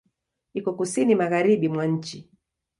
Iko Kusini magharibi mwa nchi.